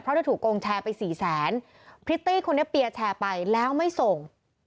เพราะเธอถูกโกงแชร์ไปสี่แสนพริตตี้คนนี้เปียร์แชร์ไปแล้วไม่ส่ง